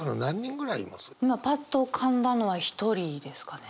今パッと浮かんだのは一人ですかね。